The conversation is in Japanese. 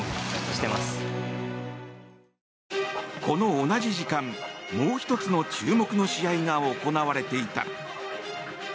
この同じ時間もう１つの注目の試合が行われていた。